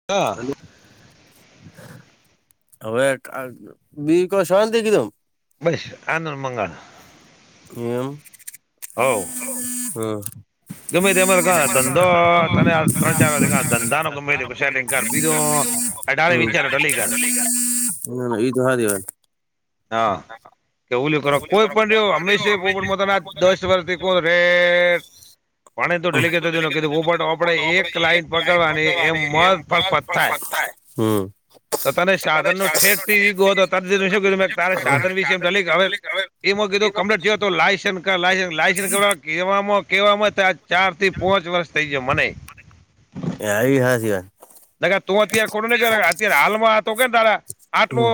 [inaudible] હવે [unintelligible] બસ આનંદ મંગળ. એમ. હવ. કા ધંધો તને આ હા. ત્રણ ચાર વાગે કા ધંધાનો ગમે તે સેટિંગ કર બીજો [inaudible] અઢારે વિચારો ઢલી કર [inaudible] હા. કેવું કર કોઈ પણ ર હંમેશા દસ વર્ષથી ભેગો રે પણ તો ડેલકેેટ ન કીધું આપણેે એક લાઈન પકડવાની એમ મફત થાય. હમ. તો તને સાધન નું ઠેઠ થી [unintelligible] શું કીધું મેં. ત સાધન વિશે હવે એ કીધું કપલેટ જ તો લાઈસન્સ લાઈસન્સ કરવા કહેવામાં કહેવામાં આ ચાર થી પોંચ વર્ષ થઇ ગયા મને. [unintelligible] ના તું અત્યારે ખોડું નઈ અત્યારે હાલમાં તો કે તારા હમ આટલું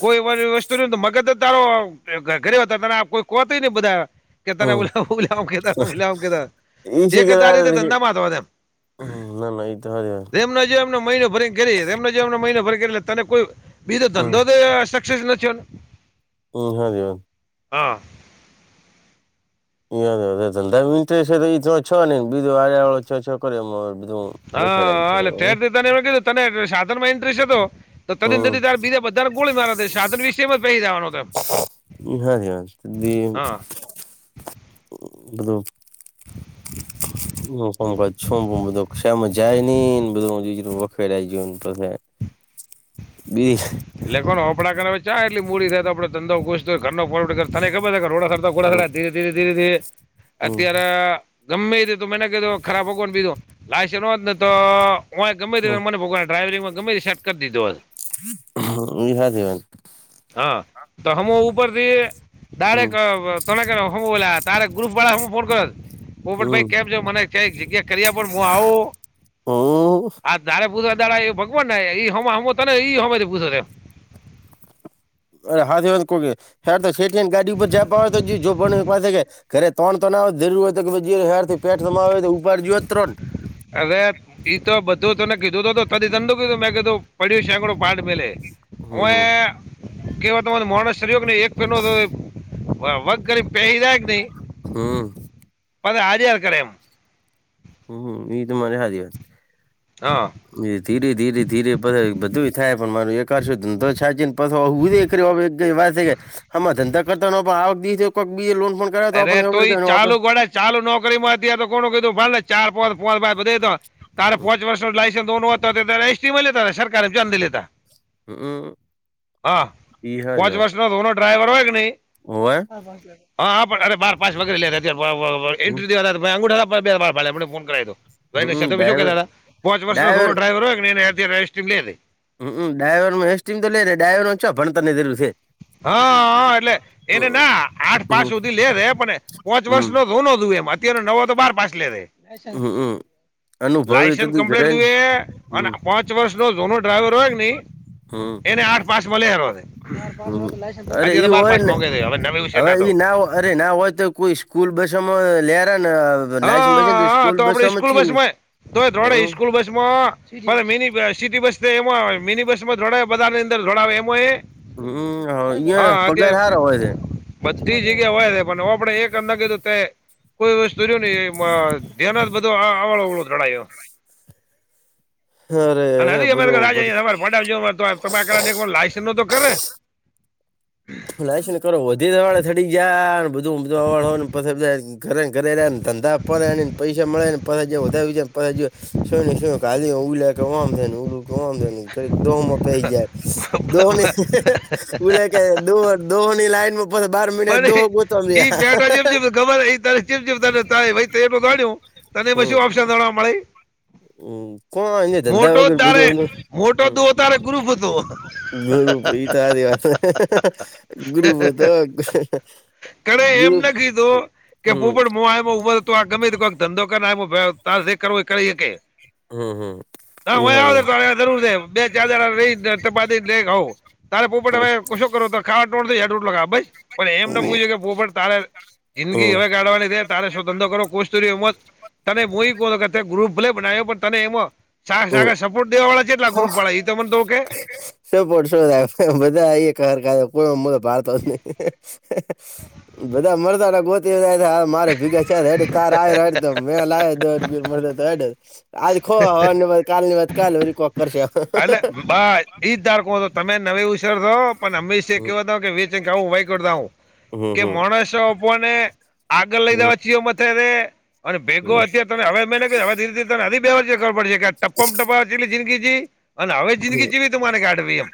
કોઈ એ વસ્તુ ન મગજ તારો ઘરે હતા ત કોઈ કોત નહી બધા [unintelligible] કેતા હમ ઈ શી એતા રીતે કરાવે હમ ધંધામાં જ. ના ના એ તો [unintelligible] એમ જેમને મહિનો ભરી એમને જે એમને મહિનો ભરી એટલે તને કોઈ બીધો હમ ધંધો [inaudible] [unintelligible] હા. [unintelligible] છે હા એટલે દીધા ને એ કીધું તને સાધન ઇન્ટ્રીસ હતો તો તંદ હમ ત્યારે બીજા બધાને ગોળ મારા સાધન વિશેમાં જ પરી જવાનો તેમ. હા [unintelligible] હું કમકત છું પણ બધો ક્ષામાં જાય નહને બધું વખેડા ગયું પછી [unintelligible] એટખો આપડા ચા એટલી મૂડી થાય તો આપડ ધંધો ખુશ થય ઘરનો ફર ખબર હમ રોડા ધીરે ધીરે ધીરે ધીરે હમ અત્યારે ગમમે ત તો મેને કીધ ખરાબ ભગવાન કીધું લાઈસન્સ હોત ને તો હું એ ગમે તે મને ભગવાને ડ્રાઈવિમાં ગમે તે સર્ટ કરી દીધો હતો. [unintelligible] હા, તો હમું ઉપરથી હમ ડારેક આ તમે કરો હુ બોલા તાર ગ્રુપ વાળ હુ ફોન કરોત હમ પોપટભાઈ કેમ છો મને કે એક જગ્યા કરી આપીન હું આવું, હું આ ધારે પૂદા દાળા એ ભગવાન આયા એ હમુ હમુ તને ઈ હમે પૂહે એમ. અરે હા કોતો શેટેને ગાડી ઉપર જ પાવ તોય જો પણ પાસે [unintelligible] [unintelligible] અરે ઈ તો બધું તને કીધું તો ત તને કીધું મેં કીધું પડ્યું [unintelligible] પાઠ મેલે હમ હમ [unintelligible] કેવા તમા મોણસર્યો કે ને એક પેનો વક કરી પહેરી જાય. હમ. હાલાયા કરે એમ. હમ્મ, એ તો મને [unintelligible] હા. ધીરે ધીરે ધીરે પર બધું થાય પણ મારું એક કરશું તો સાજ પાછ હુંજ કર્યો વાત છે આમાં ધંધા કરતા નો ફા બીજે કોક લોન પણ કરાવે તો અરે આપણને ખબર તું ઈ કે આપણે ચાલુ ગોડા ચાલુ નોકરી માં ત્યારે તો કોણ કીધું ભ ને ચાર પો પો ભન લ બધ તો તારે પોચ વર્ષ. લાયસન્સ દો હતા એસટીમાં લે હતા સરકારને અંદ લે હતા. હમ હા, પોંચ વર્ષ નો ધોનો ડ્રાઈવર હોય કે નહી? હોય. હા પણ અરે બાર પાસ વગેરે લે હમ એન્ટ્રી દે હતા અંગુઠા હતા. આપડે ફો કરાઈ દો હમ શું ડાયવર કેતા તા? પાંચ વર્ષનો ડાયવર ડ્રાઈવર હોય [inaudible] હું કુ ડાઈવર નો એસીમ તો લે ડ્રાઈવર નો છો ભણ તરને જરૂર છે. હા હા એટલે એને હમ ના આઠ પાંચ હમ સુધી લે રે પણ પોચ વર્ષ હમ નો રો ન દું એમાં. અત્યાર નવો તો બાર પાસ લેરે. [unintelligible] અનુભવી લાયસન્સ તદું કમ્પ્લીટ જરાય જોએ અને હમ પાંચ વર્ષ નો જૂનો ડ્રાઈવર હોય કે નહી એને આઠ પાંચ મળલે હે. હમ્મ અરે અત્યારે ઈ તો બાર હોય પાસ ને મોંઘે છે હવે નવી વિશે હવે તો ઈ ના હો અરે ના હોય તો કોઈ સ્કૂલ બસોમાં લેરા ને લાયસન્સ બાયસન્સ હા આ સ્કૂલ તો આપડે બસોમાં સ્કૂલ ચીયુ ને બસમાંય તો ધોડે હમ સ્કૂલ બસ માં મિની સિટી બસ એમાં મિની બસ માં જોડાવે બધા ની અંદર જોડાવે એમાં એ હમ ઈયા હા પગાર અત્યા હારો હોય છે. બધી જગ્યા હોય છે પણ આપડે એક અંદર કીધું તે કોઈ વસ્તુ જો ન ધ્યાનો બધું આ આવડો ઓવળો ઘડાયો. અરે અને અરે અભી [inaudible] બધું લાયસન નો તો કરે. લાયશ ને કરો વધી જ હવાડે થડી જયા બધુંધું હવા હોને પછ બધા ઘરે ઘરેને ધંધા પડે પૈસા મળે ને પછ વધાર્યું છે પછ શું નઈ શું કાલી ઉલે કેમ થ ને ઉલું કેમ થાય ને. દોહમાં પહી જાય દોહની ઉ લે દો દોહની લાઈન બાર મહિના દોહ ગોતવા પણ ઈ મીયા બેઠા ચેમ કેમ હે ખબર હે ઈ તને ચીમ ચીમ તને તાય પડ્યો. તને હમ પહી ઓપ્શન જાણવા મળે? હમ કોણ ધંધા મોટો વગર બધું તારે અમને મોટો તો તારે ગ્રુફ હતો. ગુરુપ ઈ તો આર્ય, ગરુપ તો કર એમ ના કીધું કે પો હમ પણ મો આમાં ઉભર તો આ ગમે કોઈક ધંધો કર હમ હમ ઈ હારું [unintelligible] [unintelligible] તારેલે પુ પે ભાઈ કશો કરો તો ખાવાોડટ લખા ભાઈ. પણ એમ ના હમ પૂછ્યું કે બહ પણ તારે જિંદગી હવે હમ કાઢવાની તો ધંધો કરો કોશ કર્યો એ ત મો ગ્રુપ ભલે બનાવ્યો પણ તને એમાં સા સા સપોર્ટ દવાળા છેટલા ગુ વાળા એ તમને તો કે? શપર્ટ શું થાય બધા એ કર કોઈ ભારતો જ નહી. [unintelligible] મે લાયો દોઢીર મળ તો એ આજ ખો હવા કાલ ની વાત કલે અલે બા ઈ જ ધાર ક તો તમે નવી ઉછરતો પણ અમમે કેવ હમ હતો કે હમ હમ હમ [unintelligible] [unintelligible] અને ભેગો હમ અત્યારે તને હવે મેં કહ્યું હવે ધીરે ધી તને અધી્યવસ્ચ ખર પડશે કે ટપમ ટપા જેટલી જિંદગી જી અને હવે હમ. જિંદગીવી તું મને ગાઢવી એમ.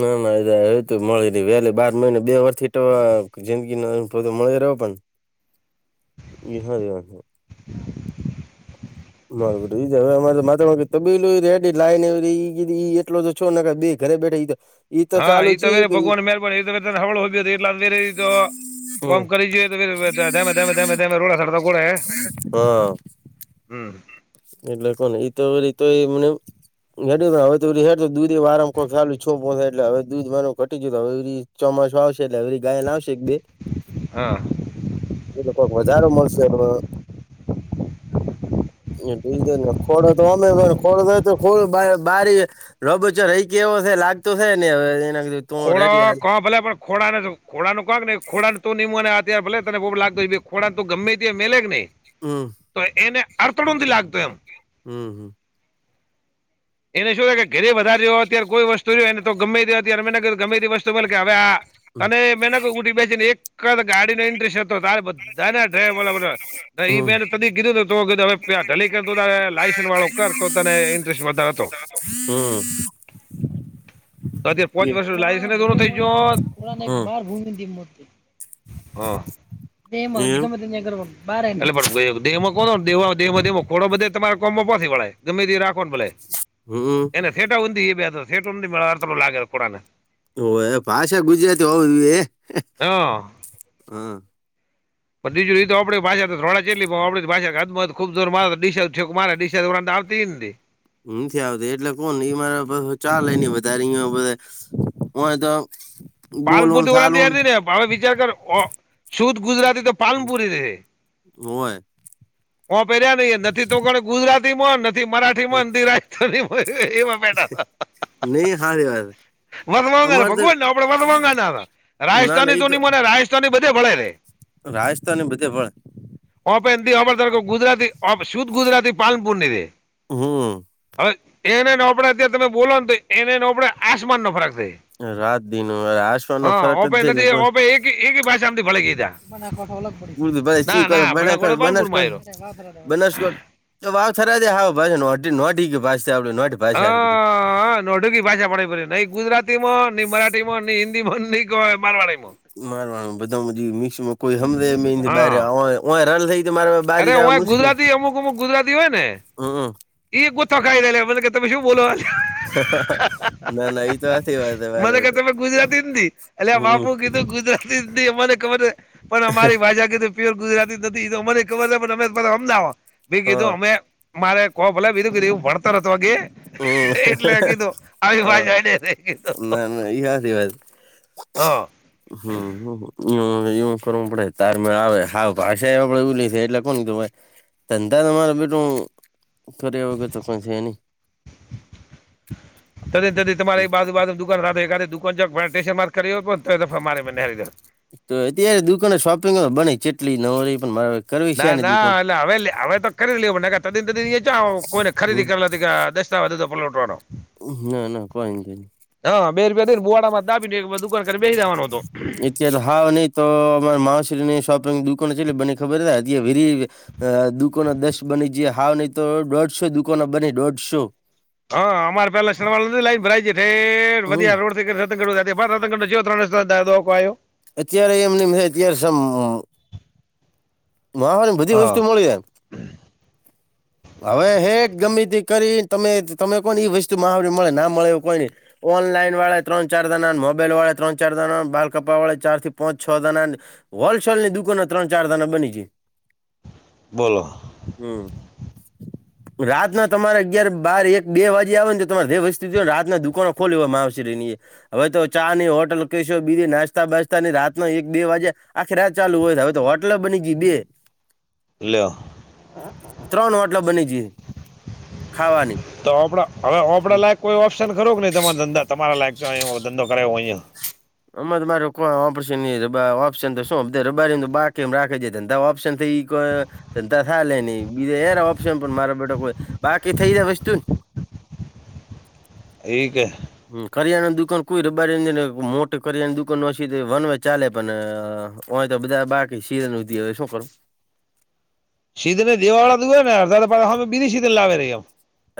ના ના એ એ મળી ર વેલી બાર મહિને બે વર થી તો જિંદગી નનો અનુભતો મળે રહ્યો પણ વિ હારવા છે. બરોબર ઈજ હવે અમા મા તબીલું રેડી લ ને એટલો છો ના બે ઘરે બેઠે તો ઈ હા ચાલુ ઈ તો છે વેરે કે ભગવાન મેરબ ત હળ હો એટલેરે તો હમ કોમ કરી જોઈએ તોમેમેમે રોડા સડતા ગોડા હ. હા હમ. એટલે કોને એતો તો એ મને હે હવે તો દૂધ એ વારમ કો ખું છોહાય એટ હવે દૂધ કટી ગયું હવે એ ચોમાસું આવશે એટલે હવેરી ગાયલ આવશે એક બે હા. એ લોકોક વધારે મળશે એ એ બીજ ને ખોડો તો અમે ખોડો તો તો ખોડો બારી રબો ચો રહી કેવો છે લાગતો છે ને હવે એના તું રેડી ખોડા હાલ ક ભલે પણ ખોડા ને ખોડાનું કક હી ખોડાને તું નીમુંને તાર ભલે તને બહુ લાગતો ભ ખોડાં તો ગમે ત મેલે જ નઈ હમ તો એને અડથણુંથી લાગતુ એમ હમ હમ એને શું થાય કે ઘરે વધારે જો અત્યારે કોઈ વસ્તુ જો એને તો ગમે હતી અત્યારે મેંને ક ગમેતી વસ્તુ બોલે કે હવે આ હમ તને મેં ના કહ ઉઠી બેસીને એક જ ગાડીનો ઇન્ટરેસ્ટ હતો તારે બધા ના ડ્રાઈવર ઈ હમ બેને ત કીધુંને તો કીધ હ ઢલીક લાયસસ વાળો કર તો તને ઇન્ટરેસ્ટ વધારે હતો હમ તો અત પાંચ વર્ષ લ થઈ હમ ગો એ મનોજ ગ ત એમ કર એટલેેહ કો ખોડો બધ તમારે કોમે ગમે તે રાખો ને ભલે હમ એને સેટા હ બ બે સેટું મે લાગે કોડાને હ ભાષા ગુજરાતી હોવ નવી હા. હ પણ બીજું એ તો આપણી ભાષા તો થોડા ચ એટલી આપડી ભા ખૂબ જોરડીશા મારે દિા ઉપરા આવતી નથી આવતીું એટલે કોણ એ મારે ચા વધારે અધ હોય તો પાલનપુર બોલું ન થી ચાલું ઓરાાર ને હવે વિચાર કર શુદધ ગુજરાતી તો પાલનપુરી ર હય ઓ પહેર્યા નહ નથી તો કો ગુજરાતી નથી મરાઠ મંદિર રાખતો ન એમાં બેઠા નઈ હારી વાત વસવાંગા અમાર તો ભગવને આપડે વસવાંગા ના હતા ના ના રાજસ્થાની તોને રાજસ્થાન ને બધે ભણાય રે રાજસ્થાનની બધ બોળ ઓપ દ હોપર તરખ ગુજરાતી ઓ શુદ્ ગુજરાતી પાલનપુરનીધ હમ હવે એનેને આપડે અત્યારે તમે બોલો ને તો એને ન આપડે આસમાન નો ફરાક રાત દિ ન આસવાનો ફરક જ ઓપે છે ને નથી કોઈ ઓપે એક એક ભાથી ફળ ગ ઉર્દુ ભાઈ શી ના કરે ના બનાસકાંઠ બનાટો પૂર બનાસકાંઠ વા ફરાવા બનાસકોટ તો વાવ થરા દ હ ભ નો ભ આપે નો ભધી હા નોઢુંકી ભાષા પડે પ નઈ ગુજરાતી માં નઈ મરાઠી માં નઈ હિન્દી માં નઈ મારવાડીમાં મારવાનું બધા મિક્સમાં કોઈ સમમે મેથી ભાષા બ હા રલ થઈ મારા અરે હય ગુજરાતી અમુક અમુક ગુજરાતી હોય ને હમ ગુથ ખાઈ કે તમે શું બોલો... ના ના એ તો હાચી વાત છે મારો મને ક બેટો તમે ગુજરાતી હિન્દી અલ હમ બાપું કીધું ગુજ મને ખબર છે પણ અરી ભા કધું પ્યોર ગુજરાતી નથી તો મને મે અમ ભ હા કીધું અમે મારે કહો ભલે બીધું કું એ ભણતર હતો હમ એટલે કીધું આવી હા વાજને કીધું- ના ના એ હાચી વાત હા હમ કરવું પડે તાર મેળ આવે હ ભાષા આપડે એલી એટલે કીધ ધંધા તમારે બટું કર વગર તો કો છે એની તમારી બાજુ બાજુ દુક રા રા દુકાન જ સ્ટેશન માર્ક ત મારે નહેરીો તો અત્યારે દુકાનો શોપિંગ બને ચટલી ન પણ મારા ના ના એટલે હવે હવે તો ખરી લેને તન તદી કોઈને હમ ખરીદી કરે દ તો પલટવાડ [unintelligible] ના ના કોઈ એ ન હા બે રપિયાઈને બુડા માં દાીને દુાન કરી બેસી દેવાનો હતો અત્યારે હા નહીં તો અમા માશરી શોપિંગ દુકાન છે એટલે બને ખબર વેરી અ દુકોનો દસ બની જયા હાવ નહી તો દોઢસો દુકોનો બને દોઢસો હા અમારે પેલા શનવા નથી લાઈન ભરાય છે ઠેર હમ્મ. વધરોડ થી કરી [unintelligible] અત્યારે અમ નિમ હે અત્યારે સ મહ ને બધી હા વસ્તુ મળી એમ. હવે હે ગમે તે કરી તમે તમે કોને એઈ વસ્તુ મહાવરી મળે ના મળે એવુ કોઈ નય ઓનલાઈન વાળા ત્રણ ચાર જણા મોબાઈલ વાળા ત્રણ ચાર દણા બાલકપા વાળા ચાર થી પાંચ છ દણા. હોલસેલની દુકાનો ત્રણ ચાર ધણા બની જી બોલો. હમ. [inaudible] રાતના તમારે અગિયાર બાર એક બે વાજે આવે ને તો તમારે જે વસ્તુને રાતના દુકાનો ખોલવામાં આવશે ની. હવે તો ચા ની હોટલ કશો બી નાસ્તા બાસ્તા ની રાત ન એક બે વાજે આખી રાત ચાલુ હોય હવે તો હોટલો બની ગઈ બે લ્યો. ત્રણ હોટલો બની ગઈ ખાવાની તોપડા હવે ઓપડા લાયક કોઈ ઓપ્શન ખરો કે નહીં તમારે ધંધા તમારા લાયક જો અ ધંધો કરાવો અહીંયા અમ તો મારે કોણ ઓપ્શન ઓપ્શન તો શું રબારી બાકી એમ રાખે છે ઓપ્શન થ ધંધા થા લે નઈ બીજા ાર ઓપ્શન પણ મારો બેટા કોઈ બાકી થઈ જાય વસ્તુ ને. એક. કરિયા નું દુકાન કોઈ રબારીને મોટ કરિયાની દુકાન ઓછી વનવે ચાલે પણ હોય તો બધા બાકી સીર નધી હવે શું કરું [unintelligible] [unintelligible]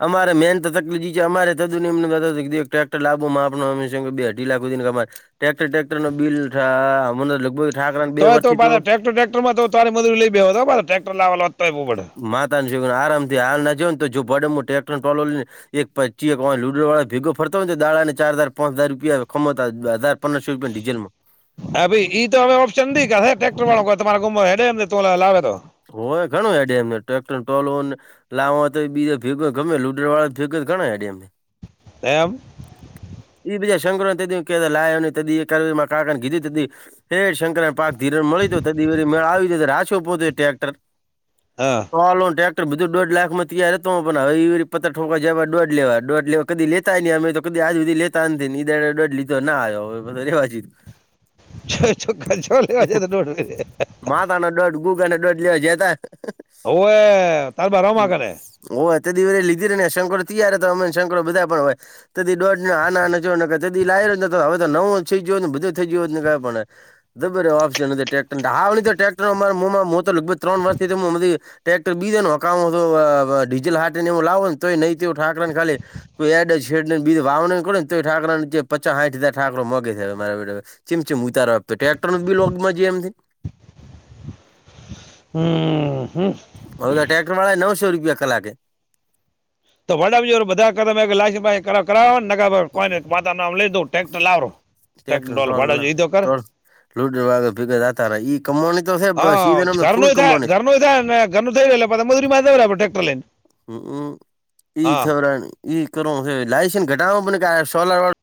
અમારે મેન તો તકલીફ છે અમારે તુ નેમને ટક્ટર લબોમાં આપમે બેઢલા સુધીનેમારે. ટટેક્ટર ટટેક્ટર ન બિલ થા અમને લગભગ. ઠાકરાને બે તોય તો વર્ષથી [unintelligible] ટેક્ટર ટેક્ટરમાં તો તરી મજૂરી લઈ બે હતો્ ટેક્ટર લાવ. [unintelligible] માતા ન જો આરામથી હાલ ના જો ને તો જો ભડે ટ્રેક્ટરોલોને. એક પચી એક લુડો વાળો ભેગો ફરતો હોયને તો દાડા ને ચાર હજાર પાંચ હજાર રૂપિયા ખમાતા હજાર. પંદરસો રૂપિયા ડીઝલમાં હા ભાઈ ઈ તો હવે ઓપ્શનીખા ટ્રેક્ટર વાળો તમારા ગમે એમને તો લાવે તો હોય ઘણું ડેમ ટક્ટર ટોલો. લાવા તો બીજા ભેગ ગમે લુડર વાળા ભેગ ઘણા છે ડેમને. એમ. એ બીજા શંકરરો તે દી કેને ત [unintelligible] ક લાય વ ન ત એમાં કાકાને કીધું ત. હે શંકરા પાક ધિરણ મળી તો ત દિ વ મેળ આવી જ રાછો પોતે ટ્રેક્ટર. હા. ટોલો ન ટ્રેક્ટર બધું દોઢ લાખમાં તૈયાર હતો પણ પતા ઠંકા જવા દોઢ લેવા દોઢ લેવા. કદી લેતાય નને અમે તો કદી આજ સુધી લેતા નથી ને ઈડ લીધો ના આવ્યો હવે બધ રવા જીધું. છોખા છોલે ચ્યોં લેવાજે તો ડોઢ. માતા ન દોઢ ગુગરને દોઢ લેવા જ્યયો છે હતા. હવ એ તાર બારમાં કડે. ઓ અ તે દિવરે લીધ ને શંકર તૈયાર હતા અમેંકર બધા પણ હોય. તે દી દોઢ હા ના હા ચ તે દી લાઈ રહ્યો હવે તો નવું થઈ ગયો ને બધું થઈ ગયો ને પણ કે. જબ્બર આપશે ટેક્ટર હતો આ ટેક્ટર અમારા મોમા [unintelligible] લગભગ ત્રણ વર્ષથી હધી. ટ્રેક્ટર બીજે નુ હકામો હતો ડીઝલ હાટી ને એવું લાવો ને તોય નહીં થીયુવ ઠાંકરાને ખાલી. કોઈ એડ જ છેડ બી વાવે ને તો ઠાકરા ની પચાસાઇઠ હજાર ઠાકરો મોગે છે માર [unintelligible] જેમ જેમ ઉતારો આપતો ટ્રેક્ટર ન બિલોગમાં છે એમ. હમ હમ. હઉ ટ્રેક્ટર વાળા એ નવ શો રપિયા કલાખે તો વડાજી બધા કર [unintelligible] ખલાસીભાઈ કરાવ કરાવ નકર ફર કોઈને માતા ન નામ લઈ દઉ. ટેક્ટર લાવરો ટેકટર ટોલૂ ભાડ જોઈ ઈ તો કર લુડ બીગ જ તારે એ કમવાણી તો છે પણ સીઝનમ તો ફૂલ કમાણી ઘરમા જ ને ઘરનું થઈ રહ એટે મજુરી માં ટ્રેક્ટર લઈને. હ ઈ હા થરા ઈ કર [unintelligible] હે લાસન્સ ઘટાડોને સોલાર વા